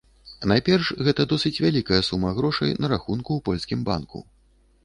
Найперш гэта досыць вялікая сума грошай на рахунку ў польскім банку.